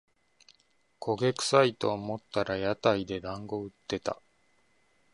焦げくさいと思ったら屋台でだんご売ってた